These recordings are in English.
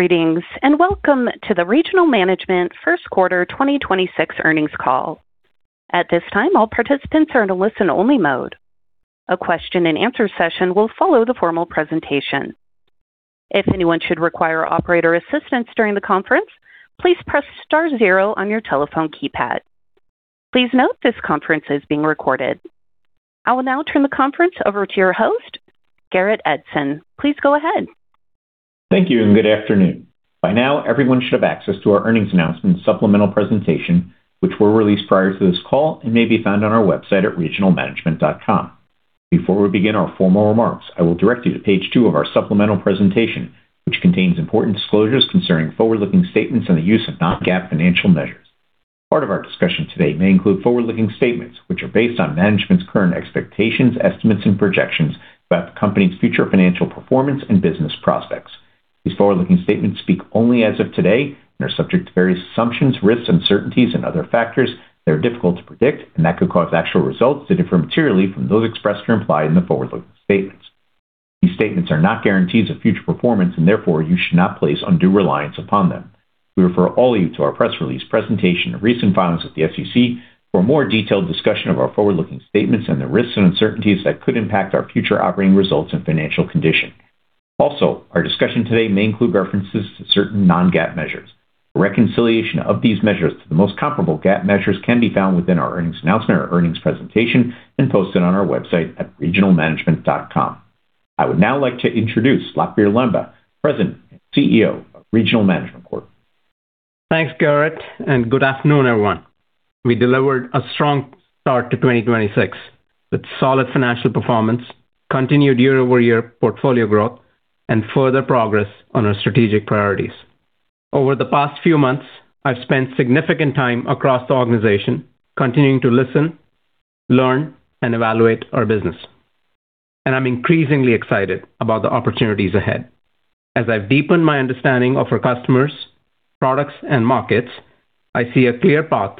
Greetings, and welcome to the Regional Management first quarter 2026 earnings call. At this time, all participants are in a listen-only mode. A question and answer session will follow the formal presentation. If anyone should require operator assistance during the conference, please press star zero on your telephone keypad. Please note this conference is being recorded. I will now turn the conference over to your host, Garrett Edson. Please go ahead. Thank you and good afternoon. By now, everyone should have access to our earnings announcement supplemental presentation, which were released prior to this call and may be found on our website at regionalmanagement.com. Before we begin our formal remarks, I will direct you to page two of our supplemental presentation, which contains important disclosures concerning forward-looking statements and the use of non-GAAP financial measures. Part of our discussion today may include forward-looking statements, which are based on management's current expectations, estimates, and projections about the company's future financial performance and business prospects. These forward-looking statements speak only as of today and are subject to various assumptions, risks, uncertainties, and other factors that are difficult to predict and that could cause actual results to differ materially from those expressed or implied in the forward-looking statements. These statements are not guarantees of future performance, and therefore you should not place undue reliance upon them. We refer all of you to our press release presentation of recent filings with the SEC for a more detailed discussion of our forward-looking statements and the risks and uncertainties that could impact our future operating results and financial condition. Also, our discussion today may include references to certain non-GAAP measures. A reconciliation of these measures to the most comparable GAAP measures can be found within our earnings announcement or earnings presentation and posted on our website at regionalmanagement.com. I would now like to introduce Lakhbir Lamba, President and CEO of Regional Management Corp. Thanks, Garrett. Good afternoon, everyone. We delivered a strong start to 2026 with solid financial performance, continued year-over-year portfolio growth, and further progress on our strategic priorities. Over the past few months, I've spent significant time across the organization continuing to listen, learn, and evaluate our business. I'm increasingly excited about the opportunities ahead. As I've deepened my understanding of our customers, products, and markets, I see a clear path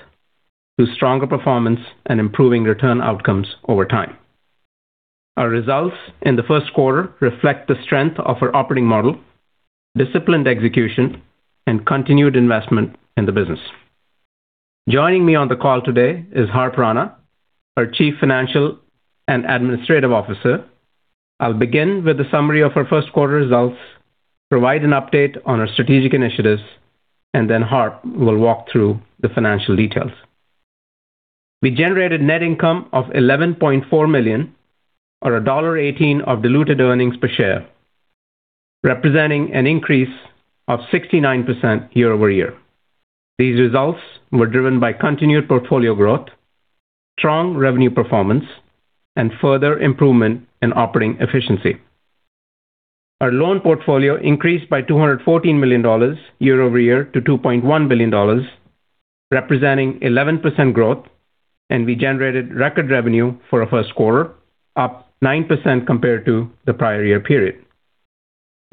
to stronger performance and improving return outcomes over time. Our results in the first quarter reflect the strength of our operating model, disciplined execution, and continued investment in the business. Joining me on the call today is Harp Rana, our Chief Financial and Administrative Officer. I'll begin with a summary of our first quarter results, provide an update on our strategic initiatives, and then Harp will walk through the financial details. We generated net income of $11.4 million or $1.18 of diluted earnings per share, representing an increase of 69% year-over-year. These results were driven by continued portfolio growth, strong revenue performance, and further improvement in operating efficiency. Our loan portfolio increased by $214 million year-over-year to $2.1 billion, representing 11% growth, and we generated record revenue for our first quarter, up 9% compared to the prior year period.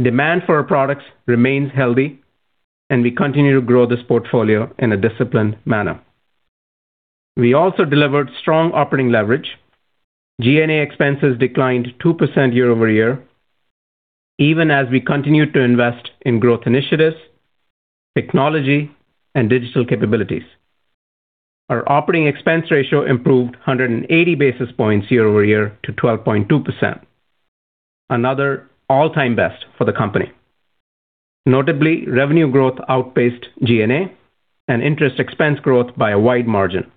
Demand for our products remains healthy, and we continue to grow this portfolio in a disciplined manner. We also delivered strong operating leverage. G&A expenses declined 2% year-over-year, even as we continued to invest in growth initiatives, technology, and digital capabilities. Our operating expense ratio improved 180 basis points year-over-year to 12.2%. Another all-time best for the company. Notably, revenue growth outpaced G&A and interest expense growth by a wide margin,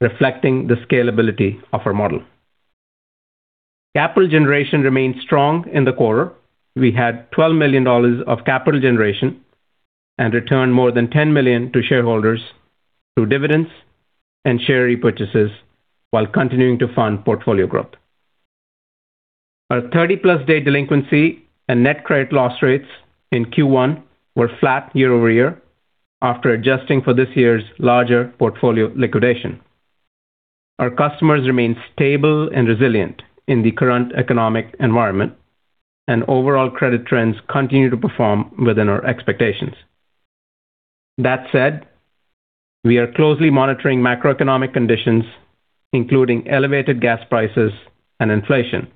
reflecting the scalability of our model. Capital generation remained strong in the quarter. We had $12 million of capital generation and returned more than $10 million to shareholders through dividends and share repurchases while continuing to fund portfolio growth. Our 30+ day delinquency and net credit loss rates in Q1 were flat year-over-year after adjusting for this year's larger portfolio liquidation. Our customers remain stable and resilient in the current economic environment, and overall credit trends continue to perform within our expectations. That said, we are closely monitoring macroeconomic conditions, including elevated gas prices and inflation,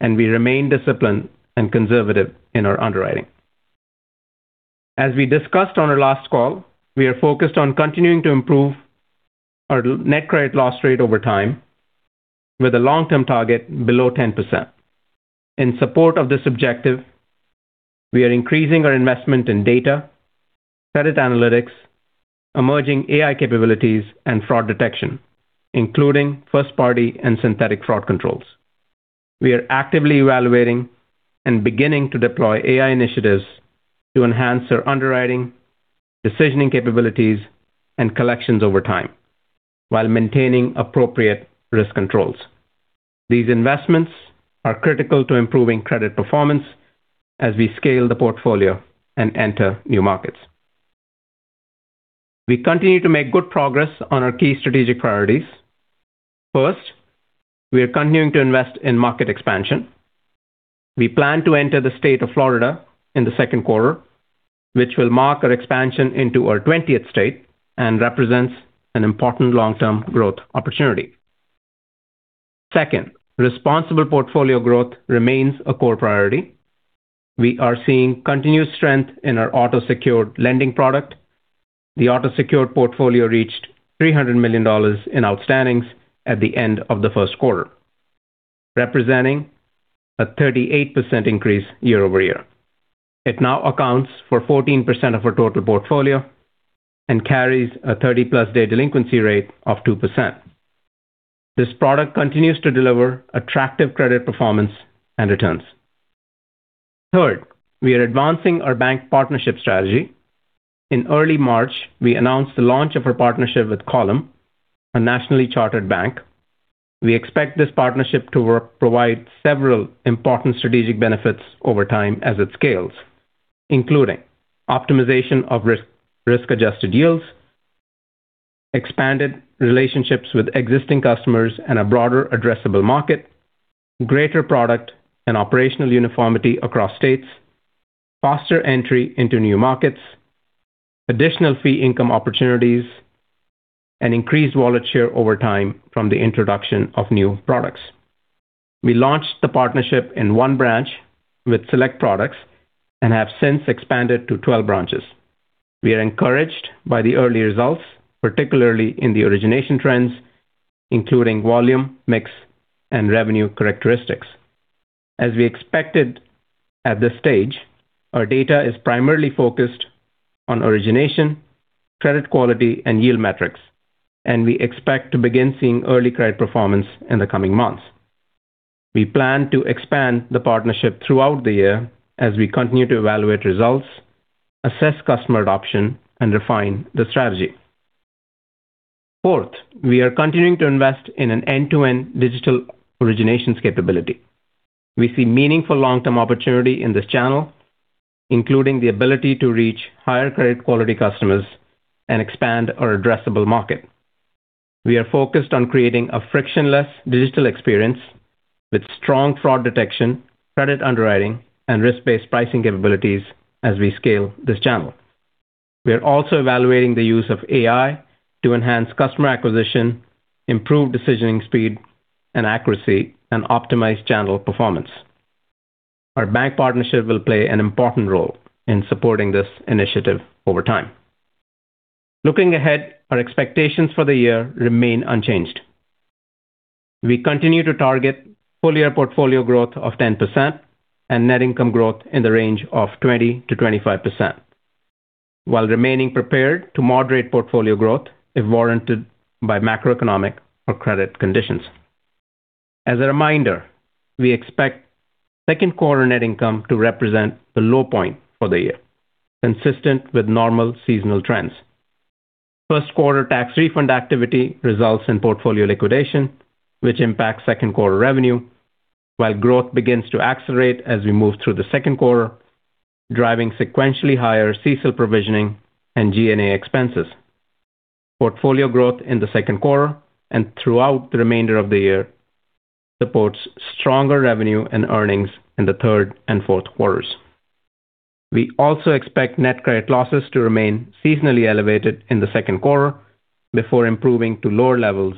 and we remain disciplined and conservative in our underwriting. As we discussed on our last call, we are focused on continuing to improve our net credit loss rate over time with a long-term target below 10%. In support of this objective, we are increasing our investment in data, credit analytics, emerging AI capabilities, and fraud detection, including first-party and synthetic fraud controls. We are actively evaluating and beginning to deploy AI initiatives to enhance our underwriting, decisioning capabilities, and collections over time while maintaining appropriate risk controls. These investments are critical to improving credit performance as we scale the portfolio and enter new markets. We continue to make good progress on our key strategic priorities. First, we are continuing to invest in market expansion. We plan to enter the state of Florida in the second quarter, which will mark our expansion into our 20th state and represents an important long-term growth opportunity. Second, responsible portfolio growth remains a core priority. We are seeing continued strength in our auto-secured lending product. The auto-secured portfolio reached $300 million in outstandings at the end of the first quarter, representing a 38% increase year-over-year. It now accounts for 14% of our total portfolio and carries a 30+ day delinquency rate of 2%. This product continues to deliver attractive credit performance and returns. Third, we are advancing our bank partnership strategy. In early March, we announced the launch of our partnership with Column, a nationally chartered bank. We expect this partnership to provide several important strategic benefits over time as it scales, including optimization of risk-adjusted yields, expanded relationships with existing customers and a broader addressable market, greater product and operational uniformity across states, faster entry into new markets, additional fee income opportunities, and increased wallet share over time from the introduction of new products. We launched the partnership in one branch with select products and have since expanded to 12 branches. We are encouraged by the early results, particularly in the origination trends, including volume, mix, and revenue characteristics. As we expected at this stage, our data is primarily focused on origination, credit quality, and yield metrics, and we expect to begin seeing early credit performance in the coming months. We plan to expand the partnership throughout the year as we continue to evaluate results, assess customer adoption, and refine the strategy. Fourth, we are continuing to invest in an end-to-end digital originations capability. We see meaningful long-term opportunity in this channel, including the ability to reach higher credit quality customers and expand our addressable market. We are focused on creating a frictionless digital experience with strong fraud detection, credit underwriting, and risk-based pricing capabilities as we scale this channel. We are also evaluating the use of AI to enhance customer acquisition, improve decisioning speed and accuracy, and optimize channel performance. Our bank partnership will play an important role in supporting this initiative over time. Looking ahead, our expectations for the year remain unchanged. We continue to target full-year portfolio growth of 10% and net income growth in the range of 20%-25% while remaining prepared to moderate portfolio growth if warranted by macroeconomic or credit conditions. As a reminder, we expect second quarter net income to represent the low point for the year, consistent with normal seasonal trends. First quarter tax refund activity results in portfolio liquidation, which impacts second quarter revenue while growth begins to accelerate as we move through the second quarter, driving sequentially higher CECL provisioning and G&A expenses. Portfolio growth in the second quarter and throughout the remainder of the year supports stronger revenue and earnings in the third and fourth quarters. We also expect net credit losses to remain seasonally elevated in the second quarter before improving to lower levels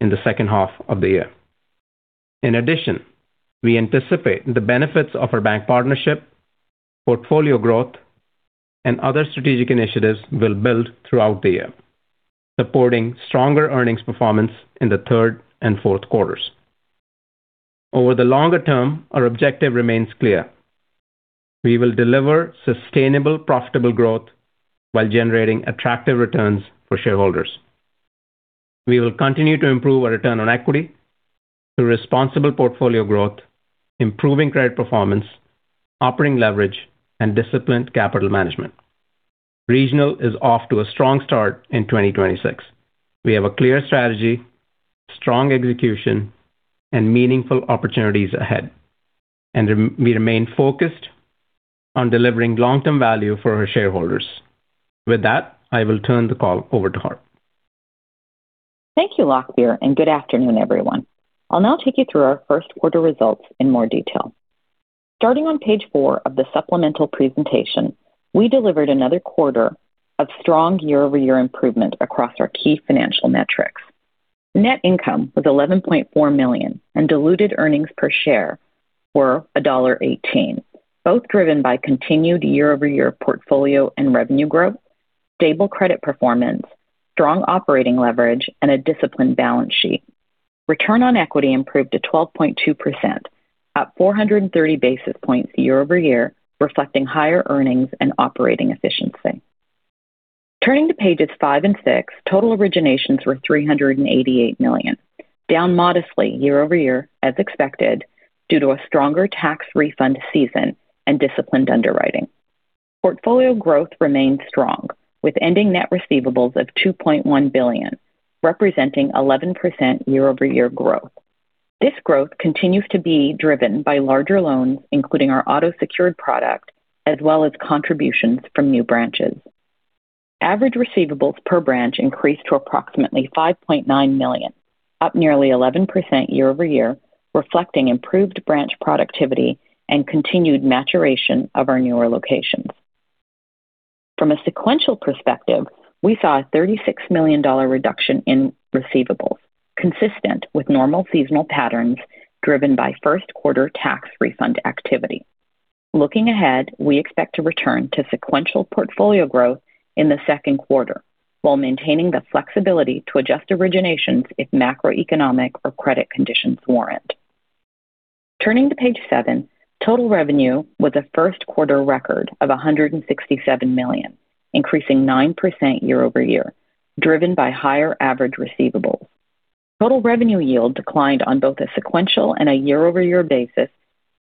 in the second half of the year. In addition, we anticipate the benefits of our bank partnership, portfolio growth, and other strategic initiatives will build throughout the year, supporting stronger earnings performance in the third and fourth quarters. Over the longer term, our objective remains clear. We will deliver sustainable, profitable growth while generating attractive returns for shareholders. We will continue to improve our return on equity through responsible portfolio growth, improving credit performance, operating leverage, and disciplined capital management. Regional is off to a strong start in 2026. We have a clear strategy, strong execution, and meaningful opportunities ahead, and we remain focused on delivering long-term value for our shareholders. With that, I will turn the call over to Harp. Thank you, Lakhbir, and good afternoon, everyone. I'll now take you through our first quarter results in more detail. Starting on page 4 of the supplemental presentation, we delivered another quarter of strong year-over-year improvement across our key financial metrics. Net income was $11.4 million, and diluted earnings per share were $1.18, both driven by continued year-over-year portfolio and revenue growth, stable credit performance, strong operating leverage, and a disciplined balance sheet. Return on equity improved to 12.2%, up 430 basis points year-over-year, reflecting higher earnings and operating efficiency. Turning to pages 5 and 6, total originations were $388 million, down modestly year-over-year as expected, due to a stronger tax refund season and disciplined underwriting. Portfolio growth remained strong, with ending net receivables of $2.1 billion, representing 11% year-over-year growth. This growth continues to be driven by larger loans, including our auto-secured product, as well as contributions from new branches. Average receivables per branch increased to approximately $5.9 million, up nearly 11% year-over-year, reflecting improved branch productivity and continued maturation of our newer locations. From a sequential perspective, we saw a $36 million reduction in receivables, consistent with normal seasonal patterns driven by first quarter tax refund activity. Looking ahead, we expect to return to sequential portfolio growth in the second quarter while maintaining the flexibility to adjust originations if macroeconomic or credit conditions warrant. Turning to page 7, total revenue was a first quarter record of $167 million, increasing 9% year-over-year, driven by higher average receivables. Total revenue yield declined on both a sequential and a year-over-year basis,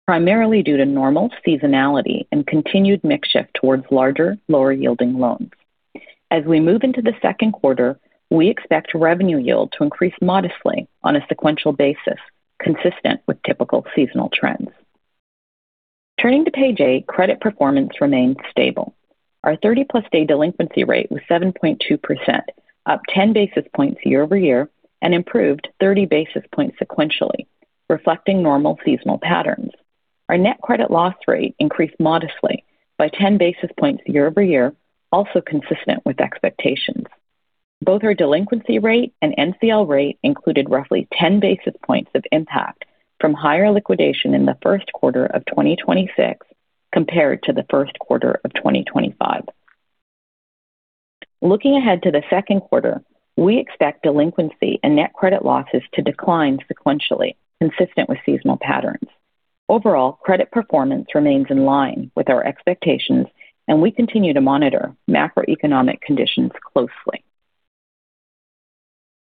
primarily due to normal seasonality and continued mix shift towards larger, lower yielding loans. As we move into the second quarter, we expect revenue yield to increase modestly on a sequential basis, consistent with typical seasonal trends. Turning to page 8, credit performance remains stable. Our 30+ day delinquency rate was 7.2%, up 10 basis points year-over-year and improved 30 basis points sequentially, reflecting normal seasonal patterns. Our net credit loss rate increased modestly by 10 basis points year-over-year, also consistent with expectations. Both our delinquency rate and NCL rate included roughly 10 basis points of impact from higher liquidation in the first quarter of 2026 compared to the first quarter of 2025. Looking ahead to the second quarter, we expect delinquency and net credit losses to decline sequentially, consistent with seasonal patterns. Overall, credit performance remains in line with our expectations, and we continue to monitor macroeconomic conditions closely.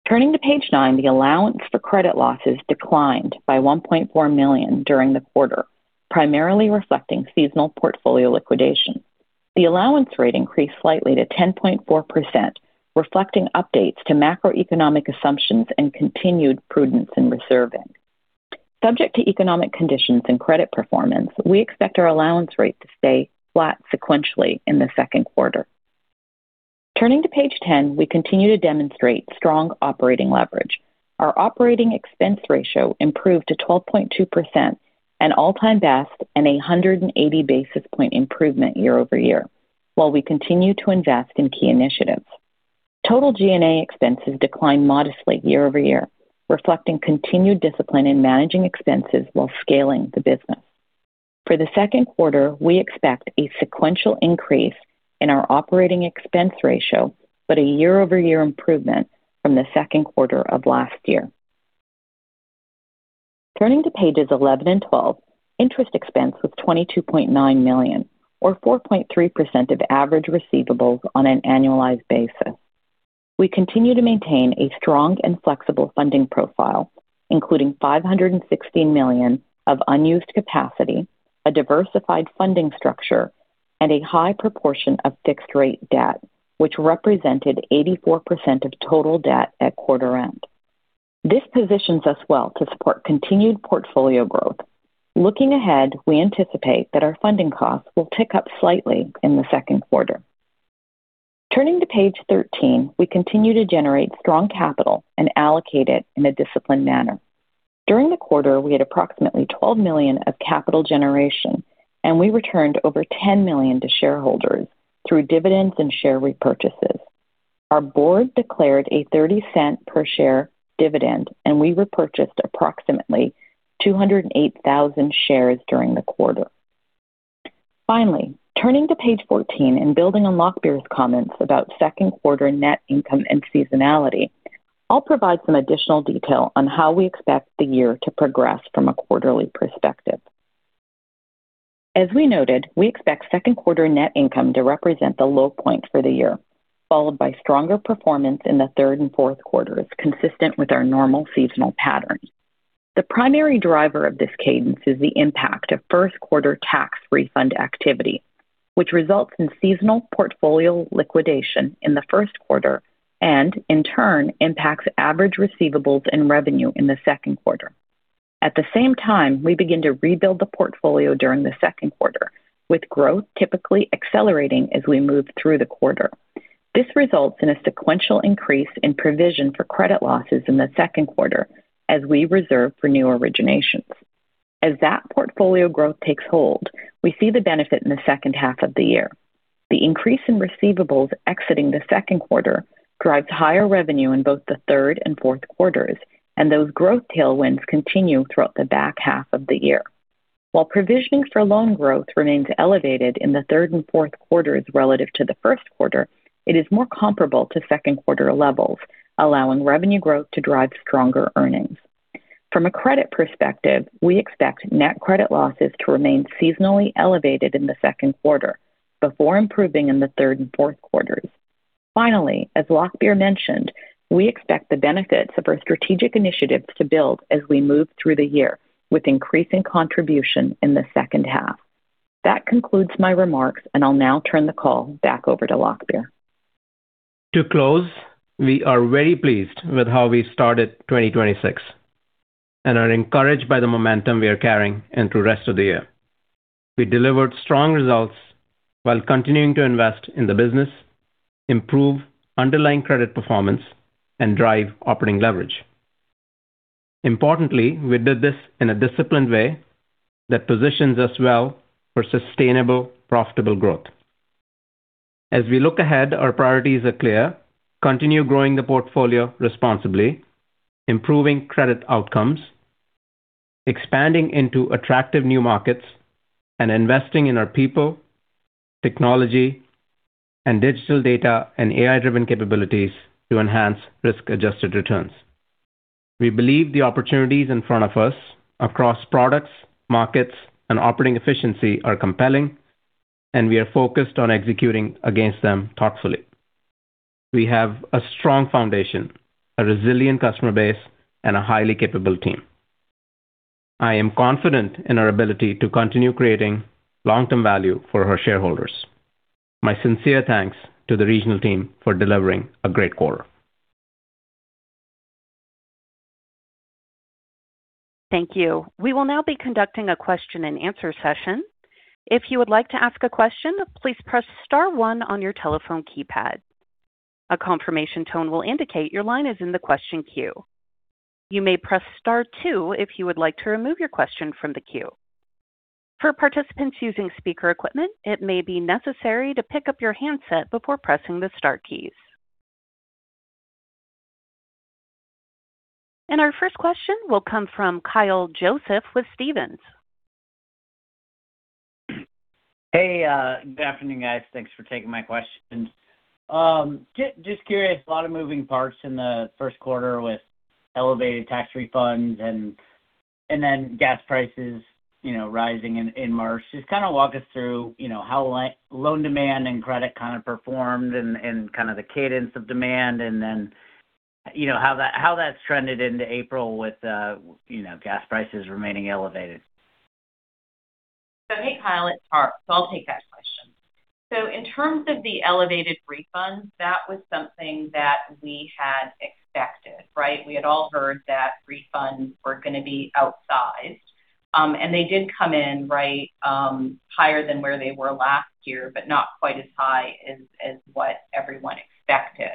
Turning to page 9, the allowance for credit losses declined by $1.4 million during the quarter, primarily reflecting seasonal portfolio liquidation. The allowance rate increased slightly to 10.4%, reflecting updates to macroeconomic assumptions and continued prudence in reserving. Subject to economic conditions and credit performance, we expect our allowance rate to stay flat sequentially in the second quarter. Turning to page 10, we continue to demonstrate strong operating leverage. Our operating expense ratio improved to 12.2%, an all-time best and a 180 basis point improvement year-over-year, while we continue to invest in key initiatives. Total G&A expenses declined modestly year-over-year, reflecting continued discipline in managing expenses while scaling the business. For the second quarter, we expect a sequential increase in our operating expense ratio, but a year-over-year improvement from the second quarter of last year. Turning to pages 11 and 12, interest expense was $22.9 million or 4.3% of average receivables on an annualized basis. We continue to maintain a strong and flexible funding profile, including $560 million of unused capacity, a diversified funding structure, and a high proportion of fixed rate debt, which represented 84% of total debt at quarter end. This positions us well to support continued portfolio growth. Looking ahead, we anticipate that our funding costs will tick up slightly in the second quarter. Turning to page 13, we continue to generate strong capital and allocate it in a disciplined manner. During the quarter, we had approximately $12 million of capital generation, and we returned over $10 million to shareholders through dividends and share repurchases. Our board declared a $0.30 per share dividend, and we repurchased approximately 208,000 shares during the quarter. Finally, turning to page 14 and building on Lakhbir's comments about second quarter net income and seasonality, I'll provide some additional detail on how we expect the year to progress from a quarterly perspective. As we noted, we expect second quarter net income to represent the low point for the year, followed by stronger performance in the third and fourth quarters, consistent with our normal seasonal patterns. The primary driver of this cadence is the impact of first quarter tax refund activity, which results in seasonal portfolio liquidation in the first quarter and, in turn, impacts average receivables and revenue in the second quarter. At the same time, we begin to rebuild the portfolio during the second quarter, with growth typically accelerating as we move through the quarter. This results in a sequential increase in provision for credit losses in the second quarter as we reserve for new originations. As that portfolio growth takes hold, we see the benefit in the second half of the year. The increase in receivables exiting the second quarter drives higher revenue in both the third and fourth quarters, and those growth tailwinds continue throughout the back half of the year. While provisioning for loan growth remains elevated in the third and fourth quarters relative to the first quarter, it is more comparable to second quarter levels, allowing revenue growth to drive stronger earnings. From a credit perspective, we expect net credit losses to remain seasonally elevated in the second quarter before improving in the third and fourth quarters. Finally, as Lakhbir mentioned, we expect the benefits of our strategic initiatives to build as we move through the year with increasing contribution in the second half. That concludes my remarks, and I'll now turn the call back over to Lakhbir. To close, we are very pleased with how we started 2026 and are encouraged by the momentum we are carrying into rest of the year. We delivered strong results while continuing to invest in the business, improve underlying credit performance, and drive operating leverage. Importantly, we did this in a disciplined way that positions us well for sustainable, profitable growth. As we look ahead, our priorities are clear. Continue growing the portfolio responsibly, improving credit outcomes, expanding into attractive new markets, and investing in our people, technology, and digital data and AI-driven capabilities to enhance risk-adjusted returns. We believe the opportunities in front of us across products, markets, and operating efficiency are compelling, and we are focused on executing against them thoughtfully. We have a strong foundation, a resilient customer base, and a highly capable team. I am confident in our ability to continue creating long-term value for our shareholders. My sincere thanks to the regional team for delivering a great quarter. Thank you. We will now be conducting a question-and-answer session. If you would like to ask a question, please press star one on your telephone keypad. A confirmation tone will indicate your line is in the question queue. You may press star two if you would like to remove your question from the queue. For participants using speaker equipment, it may be necessary to pick up your handset before pressing the star keys. Our first question will come from Kyle Joseph with Stephens. Hey, good afternoon, guys. Thanks for taking my questions. Just curious, a lot of moving parts in the first quarter with elevated tax refunds and then gas prices, you know, rising in March. Just kind of walk us through, you know, how loan demand and credit kind of performed and kind of the cadence of demand, and then, you know, how that, how that's trended into April with, you know, gas prices remaining elevated. Hey, Kyle. It's Harp. I'll take that question. In terms of the elevated refunds, that was something that we had expected, right? We had all heard that refunds were going to be outsized. They did come in, right, higher than where they were last year, but not quite as high as what everyone expected.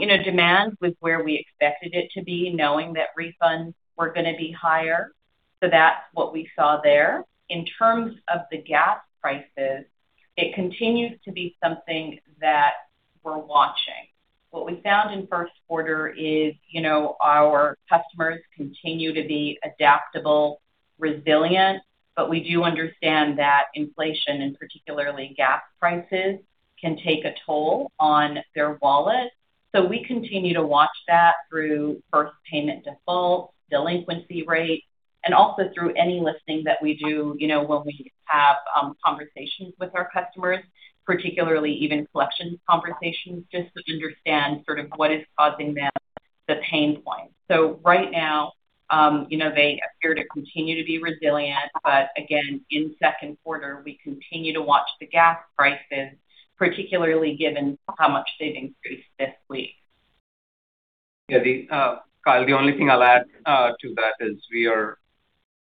You know, demand was where we expected it to be, knowing that refunds were going to be higher. That's what we saw there. In terms of the gas prices, it continues to be something that we're watching. What we found in first quarter is, you know, our customers continue to be adaptable, resilient, but we do understand that inflation and particularly gas prices can take a toll on their wallet. We continue to watch that through first payment defaults, delinquency rates, and also through any listening that we do, you know, when we have conversations with our customers, particularly even collections conversations, just to understand sort of what is causing them the pain point. Right now, you know, they appear to continue to be resilient, but again, in second quarter, we continue to watch the gas prices, particularly given how much savings increased this week. Yeah, Kyle, the only thing I'll add to that is we are,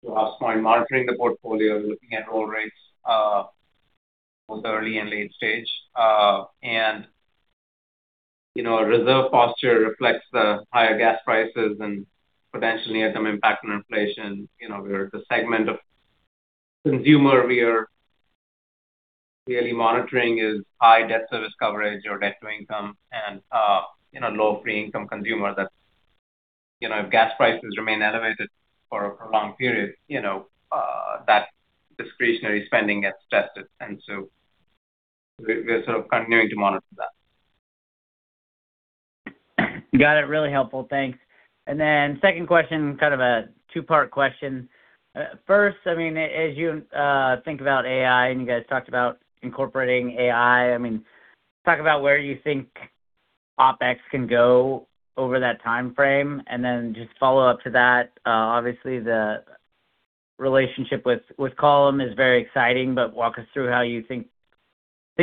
to Harp Rana's point, monitoring the portfolio, looking at roll rates, both early and late stage. You know, our reserve posture reflects the higher gas prices and potentially has some impact on inflation. You know, we're the segment of consumer we are really monitoring is high debt service coverage or debt to income and, you know, low free income consumer that, you know, if gas prices remain elevated for a prolonged period, you know, that discretionary spending gets tested. We're sort of continuing to monitor that. Got it. Really helpful. Thanks. Second question, kind of a two-part question. First, I mean, as you think about AI, and you guys talked about incorporating AI, I mean, talk about where you think OpEx can go over that timeframe. Just follow-up to that, obviously the relationship with Column is very exciting, but walk us through how you think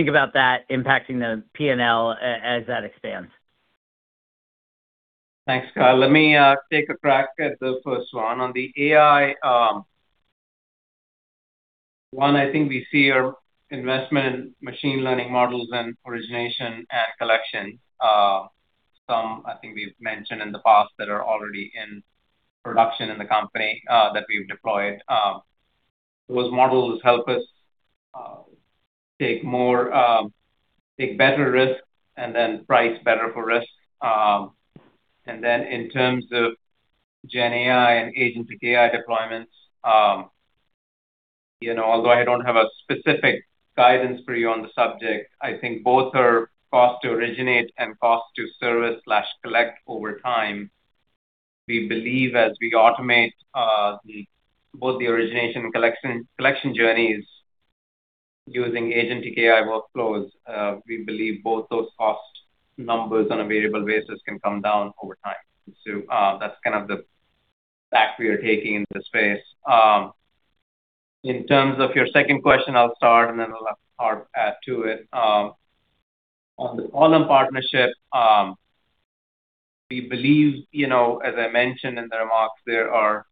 about that impacting the P&L as that expands. Thanks, Kyle. Let me take a crack at the first one. On the AI one, I think we see our investment in machine learning models and origination and collection. Some I think we've mentioned in the past that are already in production in the company that we've deployed. Those models help us take more, take better risks and then price better for risk. In terms of GenAI and agentic AI deployments, you know, although I don't have a specific guidance for you on the subject, I think both are cost to originate and cost to service/collect over time. We believe as we automate the both the origination collection journeys using agentic AI workflows, we believe both those cost numbers on a variable basis can come down over time. That's kind of the tack we are taking in the space. In terms of your second question, I'll start and then I'll let Harp add to it. On the Column partnership, we believe, you know, as I mentioned in the remarks,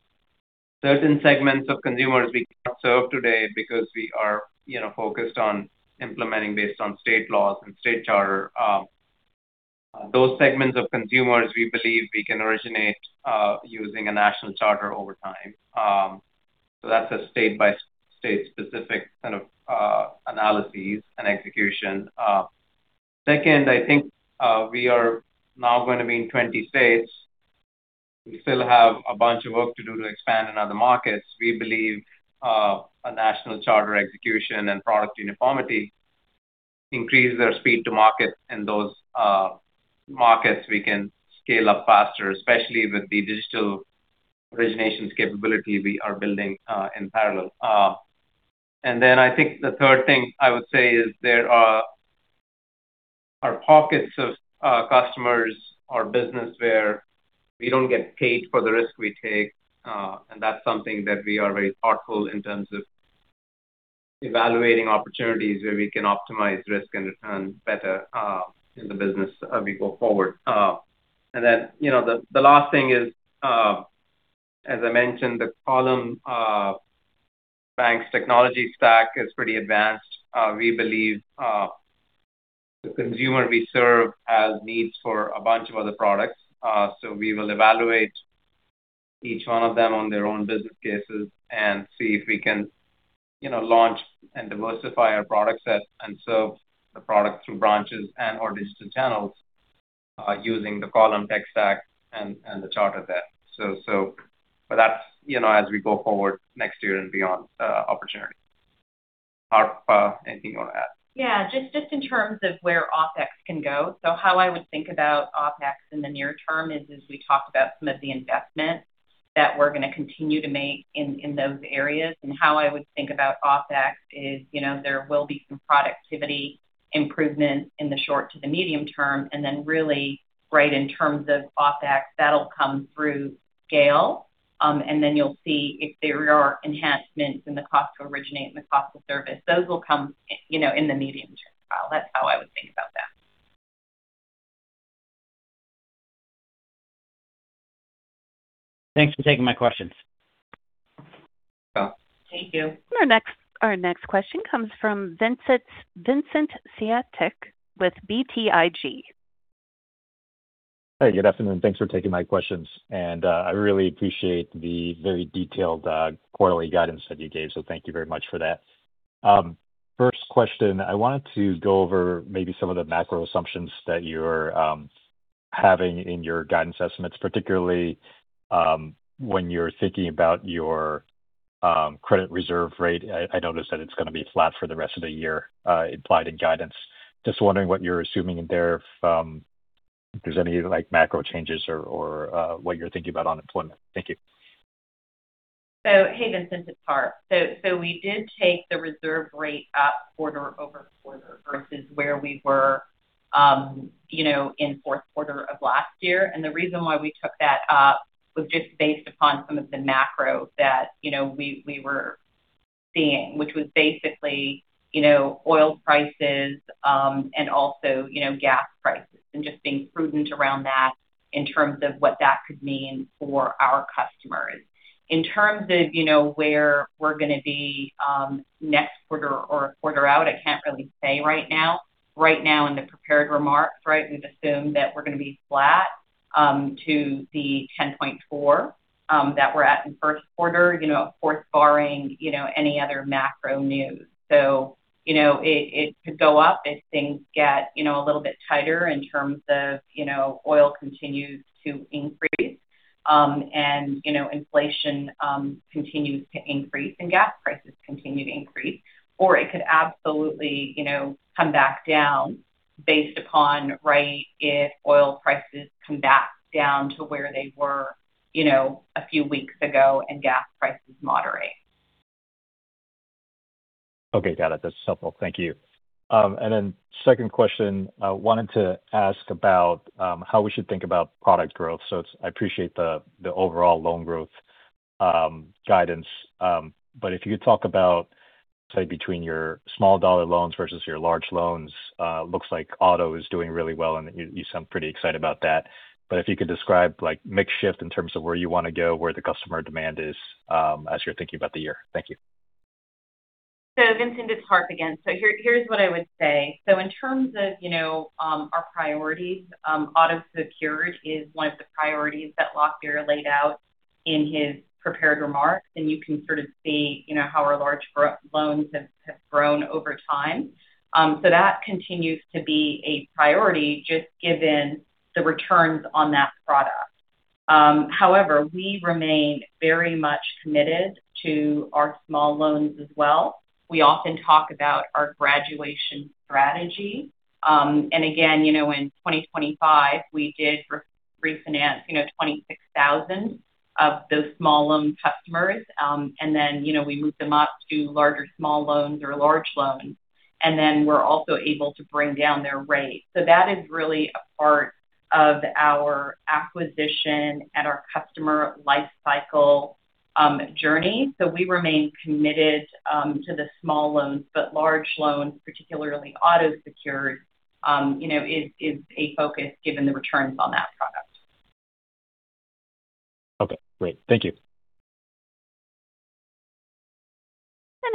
certain segments of consumers we can't serve today because we are, you know, focused on implementing based on state laws and state charter. Those segments of consumers, we believe we can originate using a national charter over time. That's a state-by-state specific kind of analyses and execution. Second, I think, we are now going to be in 20 states. We still have a bunch of work to do to expand in other markets. We believe a national charter execution and product uniformity increase their speed to market. In those markets, we can scale up faster, especially with the digital originations capability we are building in parallel. I think the third thing I would say is there are pockets of customers or business where we don't get paid for the risk we take. That's something that we are very thoughtful in terms of evaluating opportunities where we can optimize risk and return better in the business as we go forward. You know, the last thing is, as I mentioned, the Column banks technology stack is pretty advanced. We believe the consumer we serve has needs for a bunch of other products. We will evaluate each one of them on their own business cases and see if we can, you know, launch and diversify our product set and serve the product through branches and/or digital channels, using the Column tech stack and the charter there. But that's, you know, as we go forward next year and beyond, opportunity. Harp, anything you want to add? Yeah. Just in terms of where OpEx can go. How I would think about OpEx in the near term is, as we talked about some of the investments that we're going to continue to make in those areas. How I would think about OpEx is, you know, there will be some productivity improvement in the short to the medium term. Really right in terms of OpEx, that'll come through scale. You'll see if there are enhancements in the cost to originate and the cost of service. Those will come, you know, in the medium term, Kyle. That's how I would think about that. Thanks for taking my questions. Yeah. Thank you. Our next question comes from Vincent Caintic with BTIG. Hey, good afternoon. Thanks for taking my questions. I really appreciate the very detailed quarterly guidance that you gave. Thank you very much for that. First question, I wanted to go over maybe some of the macro assumptions that you're having in your guidance estimates, particularly when you're thinking about your credit reserve rate. I noticed that it's gonna be flat for the rest of the year, implied in guidance. Just wondering what you're assuming there, if there's any, like, macro changes or what you're thinking about on employment. Thank you. Hey, Vincent. It's Harp. We did take the reserve rate up quarter-over-quarter versus where we were, you know, in fourth quarter of last year. The reason why we took that up was just based upon some of the macro that, you know, we were seeing, which was basically, you know, oil prices and also, you know, gas prices, and just being prudent around that in terms of what that could mean for our customers. In terms of, you know, where we're going to be next quarter or quarter out, I can't really say right now. Right now in the prepared remarks, right, we've assumed that we're going to be flat to the 10.4% that we're at in first quarter, you know, of course barring, you know, any other macro news. You know, it could go up if things get, you know, a little bit tighter in terms of, you know, oil continues to increase, and, you know, inflation continues to increase and gas prices continue to increase. It could absolutely, you know, come back down based upon, right, if oil prices come back down to where they were, you know, a few weeks ago and gas prices moderate. Okay. Got it. That's helpful. Thank you. Second question, I wanted to ask about how we should think about product growth. I appreciate the overall loan growth guidance. If you could talk about, say, between your small dollar loans versus your large loans. Looks like auto is doing really well, and you sound pretty excited about that. If you could describe, like, mix shift in terms of where you want to go, where the customer demand is, as you're thinking about the year. Thank you. Vincent, it's Harp Rana again. Here's what I would say. In terms of, you know, our priorities, auto-secured is one of the priorities that Lakhbir Lamba laid out in his prepared remarks. You can sort of see, you know, how our large loans have grown over time. That continues to be a priority just given the returns on that product. However, we remain very much committed to our small loans as well. We often talk about our graduation strategy. Again, you know, in 2025, we did refinance, you know, 26,000 of those small loan customers. You know, we moved them up to larger small loans or large loans, we're also able to bring down their rate. That is really a part of our acquisition and our customer life cycle journey. We remain committed to the small loans. Large loans, particularly auto-secured, you know, is a focus given the returns on that product. Okay, great. Thank you.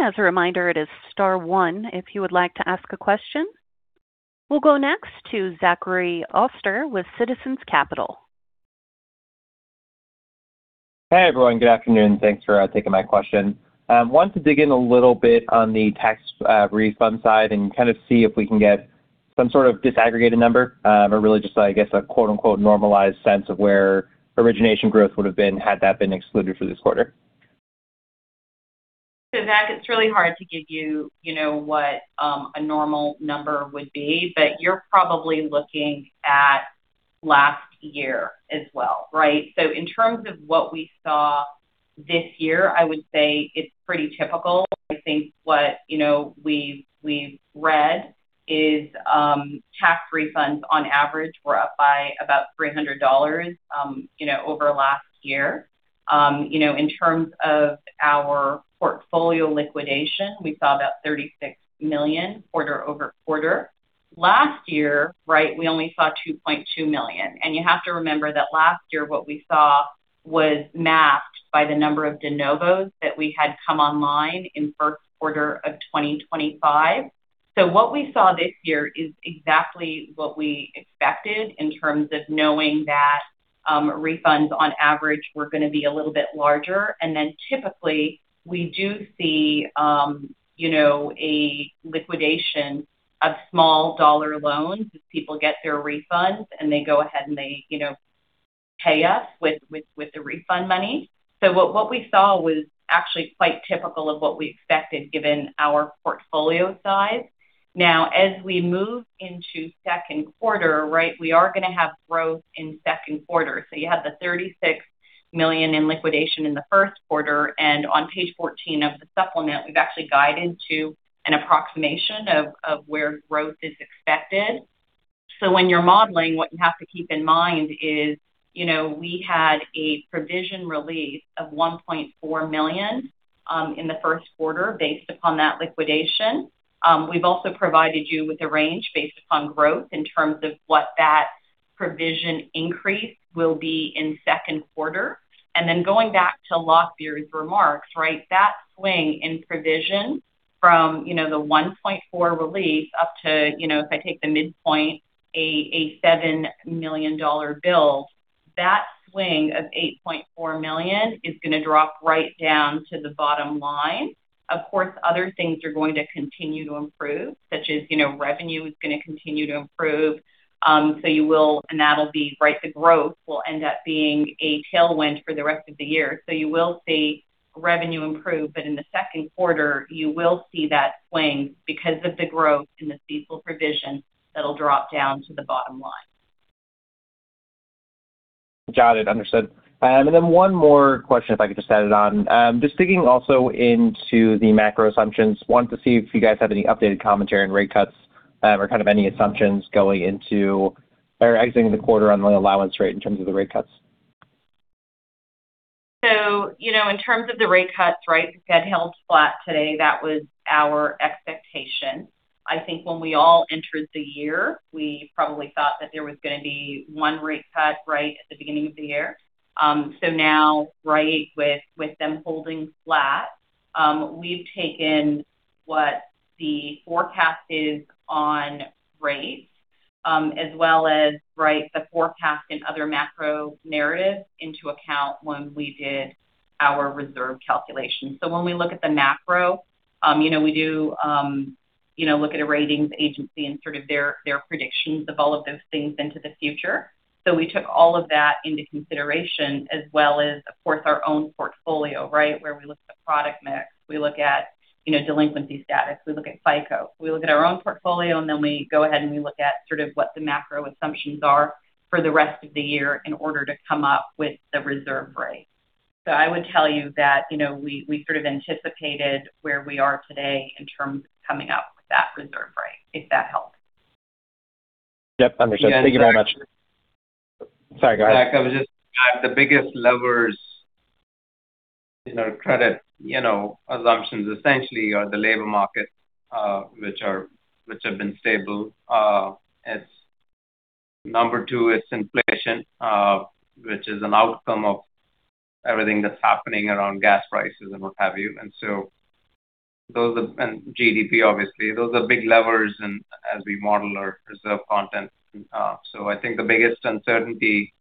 As a reminder, it is star one if you would like to ask a question. We'll go next to Zachary Oster with Citizens Capital. Hey, everyone. Good afternoon. Thanks for taking my question. Wanted to dig in a little bit on the tax refund side and kind of see if we can get some sort of disaggregated number. Really just, I guess, a quote unquote normalized sense of where origination growth would've been had that been excluded for this quarter. Zach, it's really hard to give you know, what a normal number would be, but you're probably looking at last year as well, right? In terms of what we saw this year, I would say it's pretty typical. I think what, you know, we've read is, tax refunds on average were up by about $300, you know, over last year. You know, in terms of our portfolio liquidation, we saw about $36 million quarter-over-quarter. Last year, right, we only saw $2.2 million. You have to remember that last year what we saw was masked by the number of de novos that we had come online in first quarter of 2025. What we saw this year is exactly what we expected in terms of knowing that refunds on average were gonna be a little bit larger. Typically we do see, you know, a liquidation of small dollar loans as people get their refunds and they go ahead and they, you know, pay us with the refund money. What we saw was actually quite typical of what we expected given our portfolio size. As we move into second quarter, right, we are gonna have growth in second quarter. You have the $36 million in liquidation in the first quarter, and on page 14 of the supplement, we've actually guided to an approximation of where growth is expected. When you're modeling, what you have to keep in mind is, you know, we had a provision release of $1.4 million in the first quarter based upon that liquidation. We've also provided you with a range based upon growth in terms of what that provision increase will be in second quarter. Going back to Lakhbir's remarks, right, that swing in provision from, you know, the $1.4 million release up to, you know, if I take the midpoint, a $7 million, that swing of $8.4 million is gonna drop right down to the bottom line. Of course, other things are going to continue to improve, such as, you know, revenue is gonna continue to improve. The growth will end up being a tailwind for the rest of the year. You will see revenue improve, but in the second quarter you will see that swing because of the growth in the CECL provision that'll drop down to the bottom line. Got it. Understood. One more question if I could just add it on. Just digging also into the macro assumptions. Wanted to see if you guys have any updated commentary on rate cuts, or kind of any assumptions going into or exiting the quarter on the allowance rate in terms of the rate cuts. You know, in terms of the rate cuts, right, Federal Reserve held flat today. That was our expectation. I think when we all entered the year, we probably thought that there was gonna be one rate cut right at the beginning of the year. Now, right, with them holding flat, we've taken what the forecast is on rates, as well as, right, the forecast and other macro narratives into account when we did our reserve calculation. When we look at the macro, you know, we do, you know, look at a ratings agency and sort of their predictions of all of those things into the future. We took all of that into consideration as well as, of course, our own portfolio, right? Where we look at the product mix, we look at, you know, delinquency status, we look at FICO. We look at our own portfolio, and then we go ahead and we look at sort of what the macro assumptions are for the rest of the year in order to come up with the reserve rate. I would tell you that, you know, we sort of anticipated where we are today in terms of coming up with that reserve rate, if that helps. Yep. Understood. Thank you very much. Yeah. Zach, the biggest levers in our credit, you know, assumptions essentially are the labor market, which have been stable. Number two, it's inflation, which is an outcome of everything that's happening around gas prices and what have you. Those are and GDP obviously, those are big levers and as we model our reserve content. I think the biggest uncertainty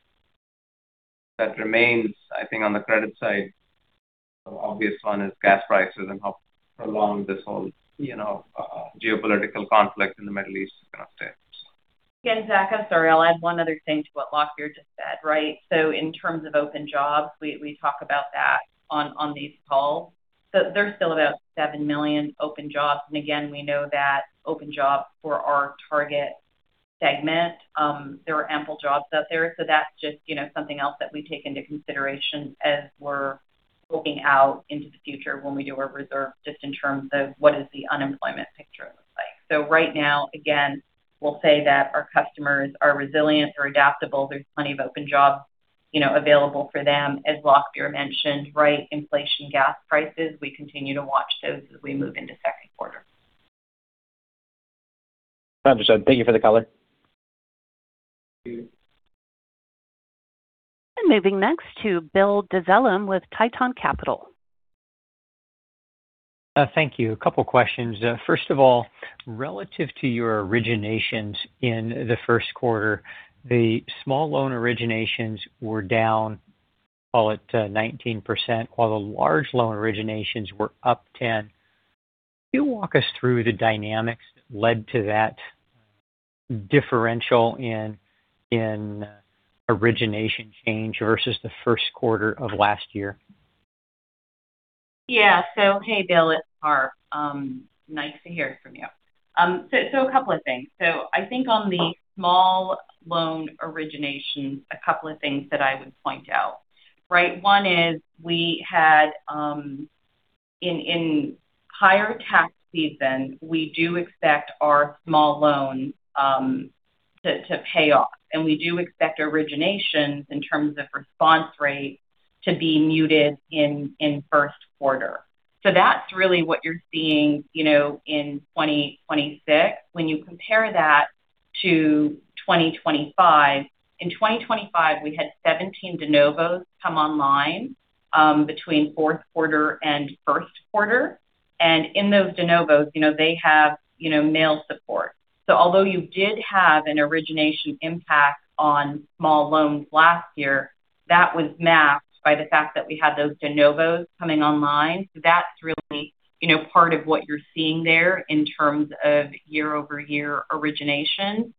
that remains, I think, on the credit side, the obvious one is gas prices and how prolonged this whole, you know, geopolitical conflict in the Middle East is going to stay. Yeah, Zachary Oster, I'm sorry. I'll add one other thing to what Lakhbir Lamba just said, right? In terms of open jobs, we talk about that on these calls. There's still about 7 million open jobs, again, we know that open jobs for our target segment, there are ample jobs out there. That's just, you know, something else that we take into consideration as we're looking out into the future when we do our reserve, just in terms of what does the unemployment picture look like. Right now, again, we'll say that our customers are resilient. They're adaptable. There's plenty of open jobs, you know, available for them, as Lakhbir Lamba mentioned, right. Inflation, gas prices. We continue to watch those as we move into second quarter. Understood. Thank you for the color. Moving next to Bill Dezellem with Tieton Capital. Thank you. A couple questions. First of all, relative to your originations in the first quarter, the small loan originations were down, call it, 19%, while the large loan originations were up 10. Can you walk us through the dynamics that led to that differential in origination change versus the first quarter of last year? Yeah. Hey Bill, it's Harp. Nice to hear from you. A couple of things. I think on the small loan originations, a couple of things that I would point out, right? One is we had, in higher tax season, we do expect our small loans to pay off. We do expect originations in terms of response rates to be muted in first quarter. That's really what you're seeing, you know, in 2026. When you compare that to 2025, in 2025, we had 17 de novos come online between fourth quarter and first quarter. In those de novos, you know, they have, you know, mail support. Although you did have an origination impact on small loans last year, that was masked by the fact that we had those de novos coming online. That's really, you know, part of what you're seeing there in terms of year-over-year originations.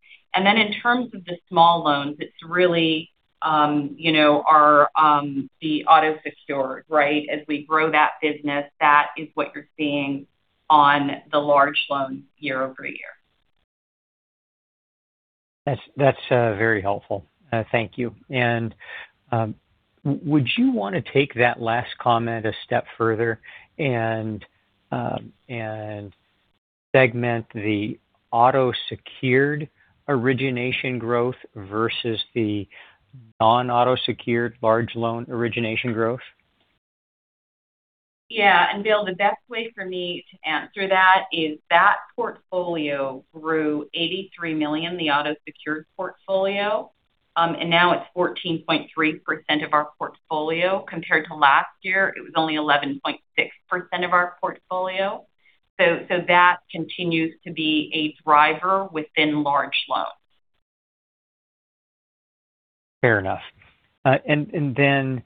Then in terms of the small loans, it's really, you know, our, the auto-secured, right? As we grow that business, that is what you're seeing on the large loans year-over-year. That's very helpful. Thank you. Would you want to take that last comment a step further and segment the auto-secured origination growth versus the non-auto-secured large loan origination growth? Yeah. Bill, the best way for me to answer that is that portfolio grew $83 million, the auto-secured portfolio, and now it's 14.3% of our portfolio. Compared to last year, it was only 11.6% of our portfolio. That continues to be a driver within large loans. Fair enough. Then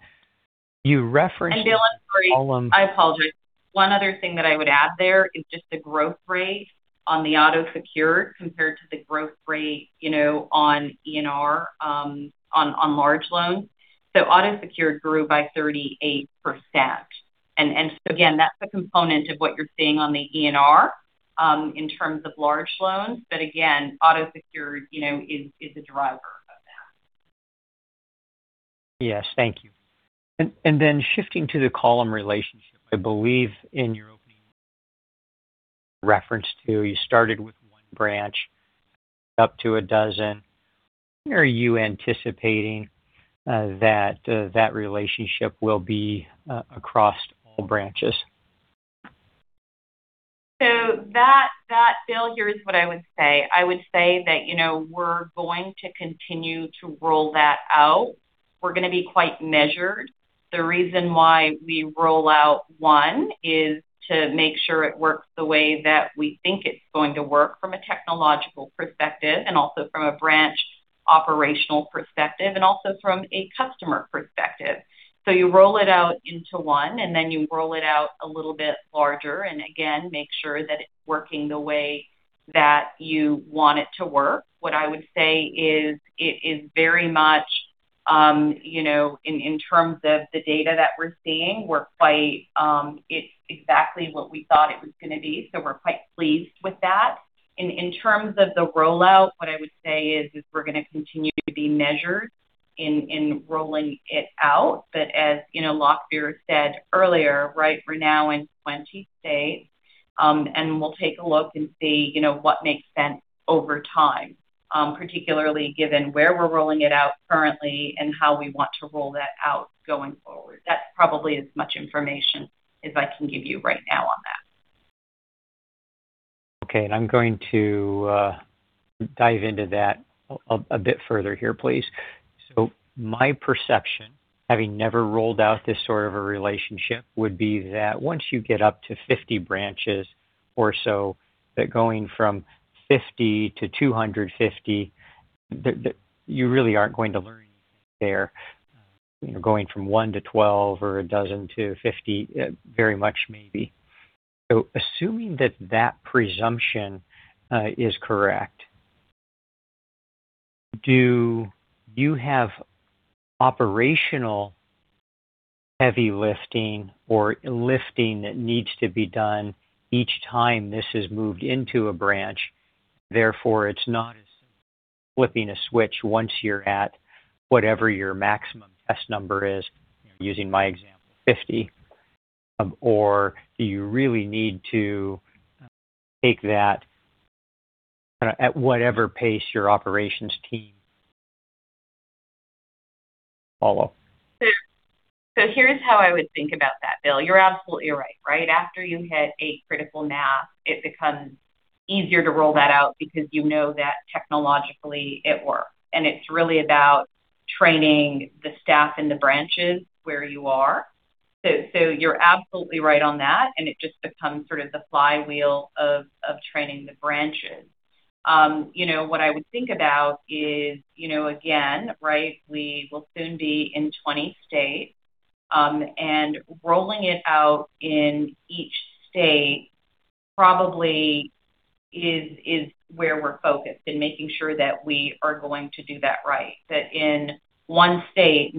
you referenced. Bill, I'm sorry. Column... I apologize. One other thing that I would add there is just the growth rate on the auto-secured compared to the growth rate, you know, on ENR, on large loans. Auto-secured grew by 38%. Again, that's a component of what you're seeing on the ENR in terms of large loans. Again, auto-secured, you know, is a driver of that. Yes. Thank you. Then shifting to the Column relationship, I believe in your opening reference to you started with one branch, up to a dozen. When are you anticipating that relationship will be across all branches? Bill, here's what I would say. I would say that, you know, we're going to continue to roll that out. We're gonna be quite measured. The reason why we roll out one is to make sure it works the way that we think it's going to work from a technological perspective and also from a branch operational perspective, and also from a customer perspective. You roll it out into one, and then you roll it out a little bit larger and again, make sure that it's working the way that you want it to work. What I would say is it is very much, you know, in terms of the data that we're seeing. It's exactly what we thought it was gonna be. We're quite pleased with that. In terms of the rollout, what I would say is we're gonna continue to be measured in rolling it out. As, you know, Lakhbir Lamba said earlier, right, we're now in 20 states, we'll take a look and see, you know, what makes sense over time, particularly given where we're rolling it out currently and how we want to roll that out going forward. That's probably as much information as I can give you right now on that. Okay. I'm going to dive into that a bit further here, please. My perception, having never rolled out this sort of a relationship, would be that once you get up to 50 branches or so, that going from 50 to 250, you really aren't going to learn anything there. You know, going from one to 12 or a dozen to 50, very much maybe. Assuming that that presumption is correct, do you have operational heavy lifting or lifting that needs to be done each time this is moved into a branch? Therefore, it's not as simple as flipping a switch once you're at whatever your maximum test number is, using my example, 50. Do you really need to take that kind of at whatever pace your operations team follow? Here's how I would think about that, Bill. You're absolutely right? After you hit a critical mass, it becomes easier to roll that out because you know that technologically it works, and it's really about training the staff in the branches where you are. You're absolutely right on that, and it just becomes sort of the flywheel of training the branches. You know, what I would think about is, you know, again, right, we will soon be in 20 states, and rolling it out in each state probably is where we're focused and making sure that we are going to do that right. That in one state,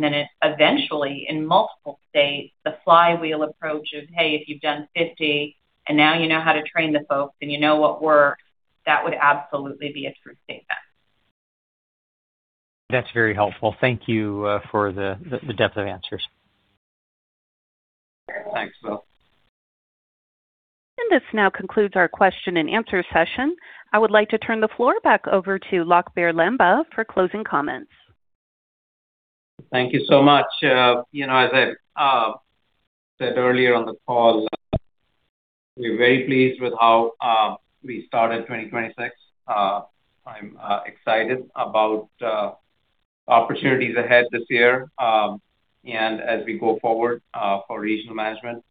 eventually in multiple states, the flywheel approach of, hey, if you've done 50 and now you know how to train the folks and you know what works, that would absolutely be a true statement. That's very helpful. Thank you for the depth of answers. Thanks, Bill. This now concludes our question and answer session. I would like to turn the floor back over to Lakhbir Lamba for closing comments. Thank you so much. You know, as I said earlier on the call, we're very pleased with how we started 2026. I'm excited about opportunities ahead this year, as we go forward for Regional Management.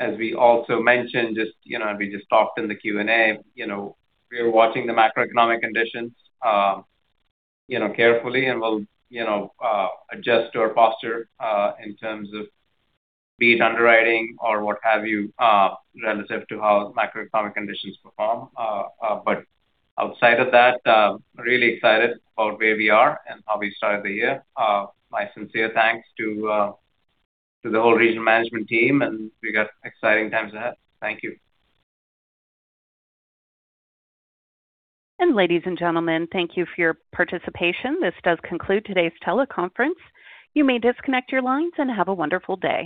As we also mentioned, just, you know, we just talked in the Q&A, you know, we are watching the macroeconomic conditions, you know, carefully and we'll, you know, adjust our posture in terms of be it underwriting or what have you, relative to how macroeconomic conditions perform. Outside of that, really excited about where we are and how we started the year. My sincere thanks to the whole Regional Management team, and we got exciting times ahead. Thank you. Ladies and gentlemen, thank you for your participation. This does conclude today's teleconference. You may disconnect your lines and have a wonderful day.